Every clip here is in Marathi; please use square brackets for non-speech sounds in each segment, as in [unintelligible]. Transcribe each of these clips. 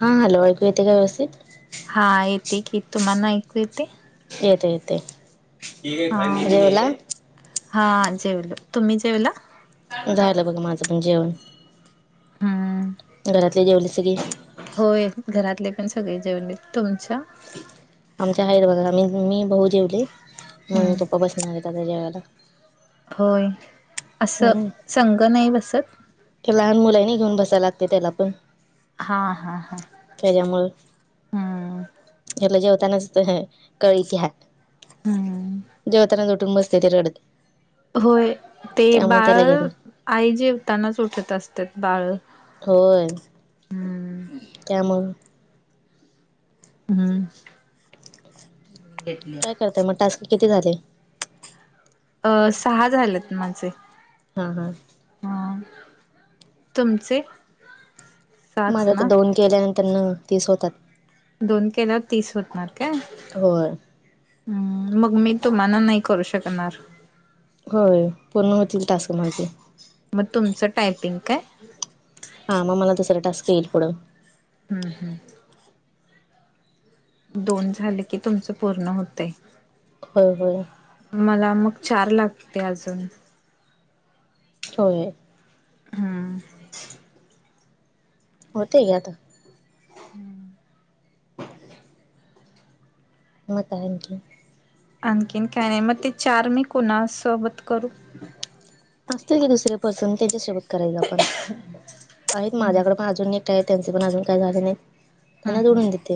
हा हॅलो ऐकू येत काय ववसि [inaudible] त हा येते की तुम्हाला ऐकू येते. येत य ते. हा हा जेवल तुम्ही जेवला. झालं बघ माझं पण जेवण. हम्म. घरातले जेवले सगी. होय घरातले पण सगळे जेवण य तुमच्या. आमच्या हैदराबाला आम्ही मी भाहऊ जेवले मम्मी हम्म पप्पा बसणार आहेेत त्या जेगला. होय असं हम्म संग नाही बसत लहान मुलानी घेऊन बसायला लागते त्याला पण. हा हा हा. त्याच्यामु हम्म हला जेवतानाच कळीची हात. हम्म जेवताना जुटुंबसते त्याच्याकडत. होय ते बाळ घेत आई जेवतानाच उठत असतात बाळ. होय. हम्म त्यामल. हम्म. ते. काय करताय मग टास्क किती झाले? अ सहा झालेत माझे. हां हां. अ तुमचे? साच माझा तर ना दोन केल्यानंतर न तीस होतात. दोन केलास तीस होतणार का. होय हम् मग मी तुम्हाला नाही करू शकणार. होय पूर्ण होतील टास्क माझे. मग तुमच टायपिंग काय? हा मग मला दुसरा टास्क येईल पुढं. हम् हम्म. दोन झाले की तुमचं पूर्ण होत. होय होय. मला मग चार लागते अजून. हो. हम्म [inaudible] होते याता. हम्म. [unintelligible] आणखीन काय नाही मग ते चार मी कोणा सोबत करू. असतील की दुसर्यापासून त्यांच्या सोबत करायच पण आहेत हम्म माझ्याकड पण अजून एक. ते आहे त्याचं पण अजून काही झाल नाही. हम्म त्यांना हम्म जोडून देते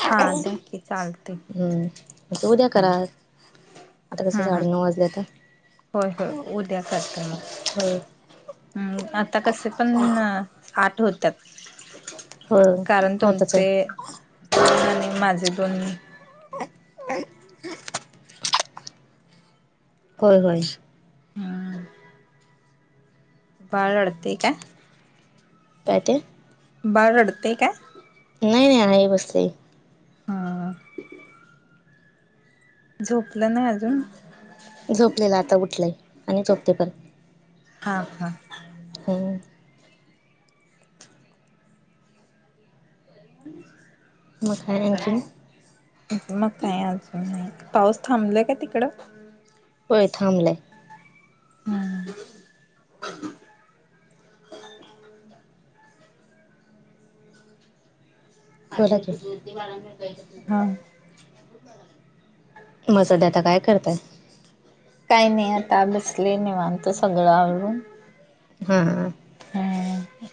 हा द्या की चालते हम्. ते उद्या हम्म करा आता कसं हम्म हम्म साडेनऊ वाजल्या तर. होय होय उद्या करता मग. हो. हम्म आता कसे पण. [inaudible] आठ होत्या होय कारण होतच आहे तुमचे. आणि माझे दोन. होय हो. हम्. बाळ रडतेय काय? काय ते बाळ रडतेय काय? नाही नाही आहे बस हा झोपल नाही अजून. झोपलेला आता उठलाय आणि झोपते परत. हा हा होय. म काय अजून मग काय अजून नाही पाऊस थांबलाय का तिकडं होय थांबलाय. हूं हूं खरंच ये हा मचडे आता काय करताय काय नाय आता बसले निवांत आत्ता सगळं आवरून. हा हूं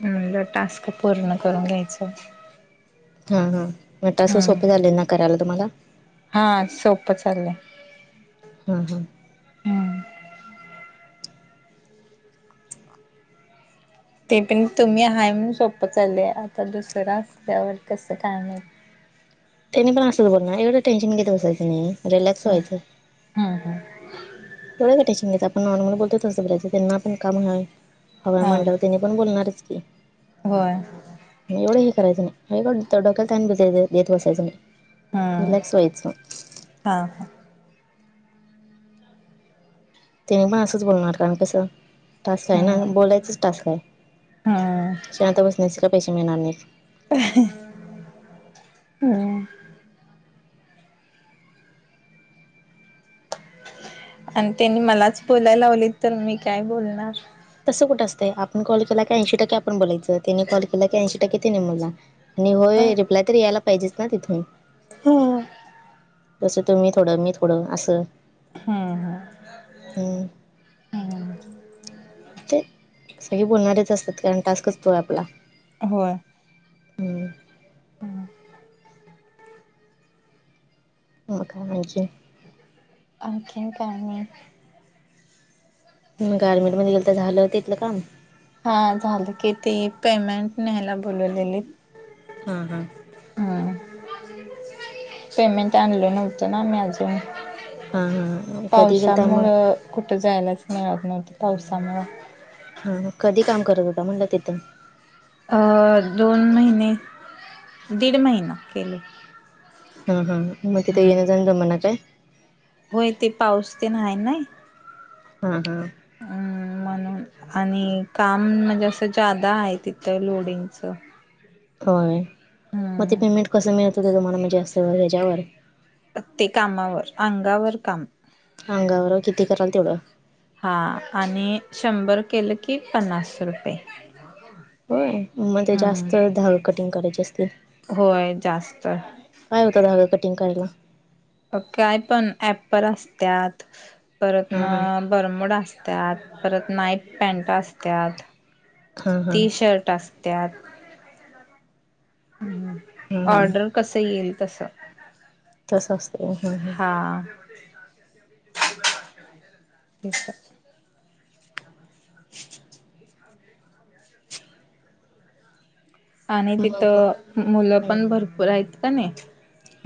म्हणलं टास्क पूर्ण करून घ्यायच. हं हं म टासं हम्म सोपं झाले ना करायला तुम्हाला हा सोप चाललंय. हां हां हम्म ते पण तुम्ही हाय म्हणून सोपं चाललय आता दुसरं असल्यावर कसं काय माहित त्यानी पण असत बोलणार एवढं टेन्शन घेत बसायचं नाही रिलॅक्स व्हायचं. हूं हूं तेवढं नाय टेन्शन घ्यायचं आपण नॉर्मल बोलतों तस त्यांना पण काम हवा हा मांडल्यावर त्यांनी मंग बोलणारच की होय. एवढं हे करायचं नाय लय डोक्याला ताण [unintelligible] देत बसायंचं नाय हम्म रिलॅक्स व्हायचं. हा ह तेन पण असंच बोलणार कारण कसं टास्क हाय ना हम्म बोलायचच टास्क हम्म आहे शांत बसण्याच काय पैसे मिणार नाही. हम्म आणि त्यांनी मलाच बोलायला लावली तर मी काय बोलणार तसं कुठं असतंय आपण कॉल केला की ऐंशी टक्के आपण बोलायचं त्यानी कॉल केला की ऐंशी टक्के तिनी बोलणार आणि होय रिप्लाय तर यायला पाहिजेच ना तिथून हूं [unintelligible] जसं तुम्ही थोडं मी थोडं असं हं हं हूं ते सगळी बोलणारेच असतात कारण टास्कच तो आहे आपला होय. हम्म हम् मूर्ख म्हणायचीय आणखीन काय म तुम्ही गार्मेंट मध्ये गेलता झालं तिथलं काम हा झालं कि ते पेमेंट न्यायला बोलवलेली. हां हां हा पेमेंट आणल नव्हतं ना मी अजून हां हां कधी गेलता मग पावसामुळं कुठं जायलाच मिळत नव्हतं पावसामुळ हा कधी काम करत होता म्हटलं तिथं दोन महिने दीड महिना केले हा हा मग इ ते येन जाण मना काय होय ते पाऊस ते नाही ना हा हा अम् म्हणून आणि काम म्हणजे असं जादा आहे तिथं लोडिंगच होय मग ते पेमेंट कसं मिळतं ते तुम्हाला म्हणजे असे ह्याच्यावर प्र्य कामावर अंगावर काम अंगावर किती कराल तेवढं हा आणि शंभर केलं की पन्नास रुपये होय मगज जास्त हम्म धाल कटिंग करायचे असतील होय जास्त काय होतं धागा कटिंग करायला काय पण ऍप पर असत्यात परत हा ना हा बरमड असतात परत नाईट पॅनट असतात हा हा ती शर्ट असत्यात ह हा हा ऑर्डर कस येईल तस तर सस्तते ह ह ठी आहे [inaudible] ह आणि मग तिथं मुलं हा पण भरपूर आहेत का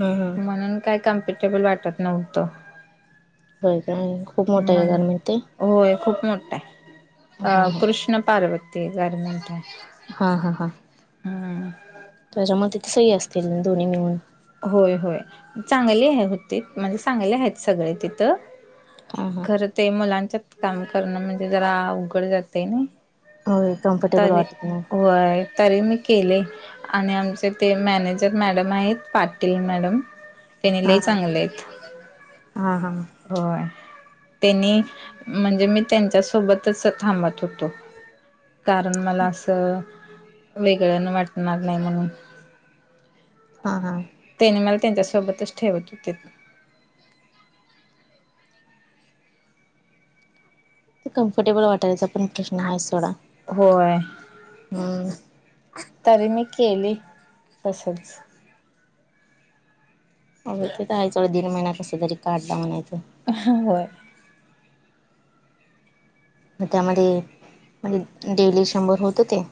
हा म्हणून काय कमप ेबल वाटत नव्हतं हो काय खूप मोठा आहे मग गरमी ते होय खूप मोठा हा आहे अ हा कृष्ण पार्वती गरमेंट आहे हा हा हा हम्म त्याच्या्या मते तर सही असतील दोन्ही मिळून होय होय चांगले आहे होती म्हणजे चांगले आहेत सगळे तिथं हा हा खरं ते मुलांच्याच काम करणं म्हणजे जरा उघड जाते ना होय कम्फर्टेबल तरी वाटत नाही वय तरी मी केले आणि आमचे ते मॅनेजर मॅडम आहेत पाटील मॅडम त्यानी ल चांगले आहेत हां हां हो त्यांनी म्हणजे मी त्यांच्या सोबतच थांबत होतो कारण मला असं वेगळं न वाटणार नाही म्हणून हा हा ते त्याने मला त्यांच्यासोबतच ठेवत होते कम्फर्टेबल वाटायचा पण प्रश्न आहे सथोडा होय ह तरी मी केली तसंच अ ते आहेवढं दीन महिन्या कस तरी काढदा म्हणायचं होय मग त्यामध्ये म्हणजे डेली शंभर होत ते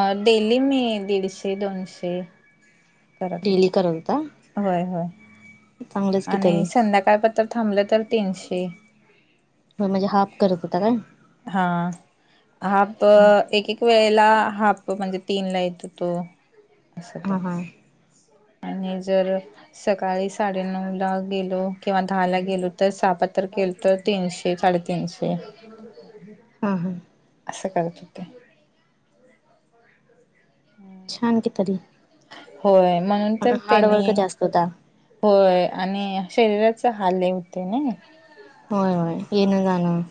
अ डेली मी दीडशे दोनशे करत डेली करत होता होते हो होय होय चांगलंच की आणि तरी संध्याकाळ प थांबलं तर तीनशे हो म्हणजे हाफ करत होता काय? हा हाप एक एक वेळेला हाफ म्हणजे तीन ला येतो तो असं ते हां हां आणि जर सकाळी साडेनऊ ला गेलो किंवा दहा ला गेलो तर सबात्र केल. तर तीनशे साडेतीनशे हा हा असं करत होते. छान कि तली होय म्हणून तर त्यांनी जास्त होता होय आणि शरीराच हाल आहे इथे नाही. होय होय येन जाण.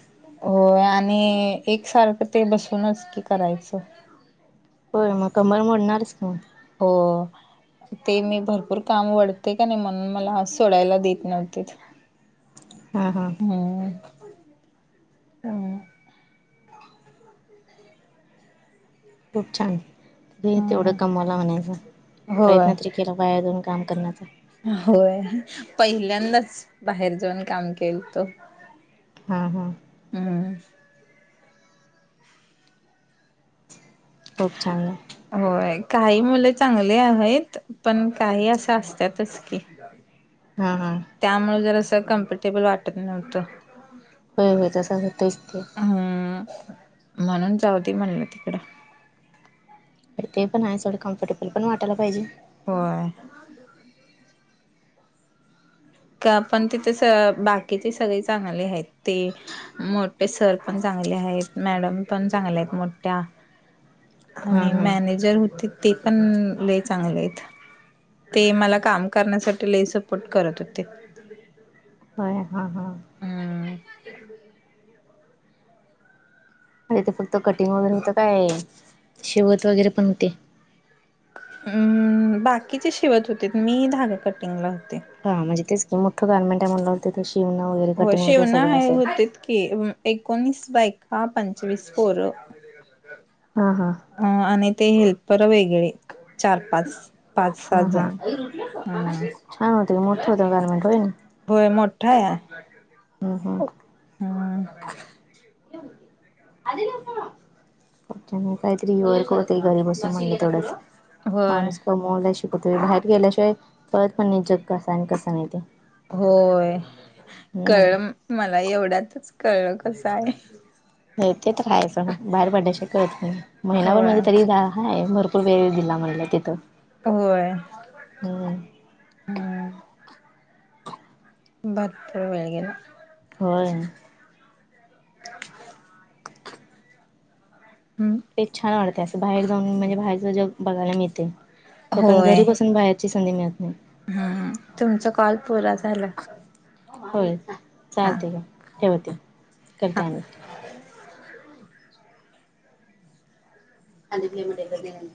होय आणि एकसारखं ते बसूनच की करायचं. प म कंमल मोडणारस का? हो ते मी भरपूर काम वढते का नाही म्हणून मला सोडायला देत नव्हते. हा हा हम्म हम [inaudible] [inaudible] खूप छान तेवढं हम्म. कमावला म्हणायचा होय प्रयत्न त केला पाया दोन काम करण्याचा होय पहिल्यांदाच बाहेर जाऊन काम केल तो हां हां हम खूपछांन आहे. होय काही मुले चांगली आहेत पण काही असा असतातच की, हा हा त्यामुळे जर असं कम्फर्टेबल वाटत नव्हतं. प हो तसं होतेच ते हम् म्हणून जाऊ दे म्हणलं तिकडं ते पण आहे सों कम्फर्टेबल पण वाटयला पाहिजे. होय. का पण तिथे स बाकीचे सगळे चांगले आहेत ते... मोठे सर पण चांगले आहेत मॅडम पण चांगले आहेत मोठ्या हां आणि हां मॅनेजर होते. ते पण लय चांगले आहेत ते मला काम करण्यासाठी लय सपोर्ट करत होते. ते हो हा हा हम्म म्हे ते फरत कटिंग वगैरे होतं काय शिवत वगैरे पण होते. हम् बाकीचे शिवत होते मी धागा कटिंगला होते. हां म्हणजे तेच की मोठ गार्मेंट आहे म्हंटल्यावर शिवना वैे हो, शेवणा आहे, होतीत की एकोणीस बायका, एक पंचवीस पोर हा हा. अ आणि ते हेल्पर वेगळे, चार पाच पाच हा सात हा, जण हम्म छान होते, मोठं होत गारमेंट, होय ना? होय, मोठा आहे या, हम्म हा. [unintelligible] काही तरी वर्क होतय, घरी बसून म्हणून तेवढच होय माणूस कमवायला शिकतोय, बाहेर गेल्याशिवाय कळत पण नाही, जग कस आहे, आणि कसं नाही ते. होय, कळलं हम्म मला, एवढ्यातच कळलं, कसं आहे. होय ते तर आहेच सोडा, बाहेर पडल्याशिवाय कळत नाही, महिनाभर होय तरी म्हणजे हाय वेळ दिला म्हटलं तिथं होय. हम्म हम्. भरपूर वेळ गेला. होय. [unintelligible] [inaudible] हम्. ते छान वाटतंय, असं बाहेर जाऊन म्हणजे, बाहेरच जग बघायला मिळतय, ते पण घरी बसून बाहेर च्ची संधी मिळत नाही. हा हा. तुमचा कॉल पूरा झाला. होय? हा चालतय घ्या ठवते, हा करते आणि. [unintelligible] [inaudible]